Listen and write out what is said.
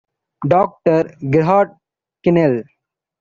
Doctor Gerhard Kienle.